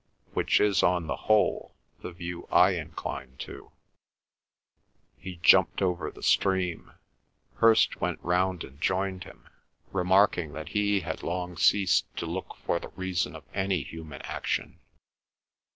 —which is, on the whole, the view I incline to." He jumped over the stream; Hirst went round and joined him, remarking that he had long ceased to look for the reason of any human action.